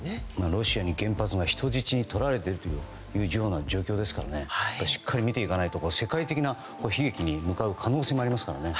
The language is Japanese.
ロシアに原発が人質に取られているような状況ですからしっかり見ていかないと世界的な悲劇に向かう可能性もありますからね。